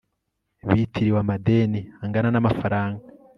bifitiwe amadeni angana n amafaranga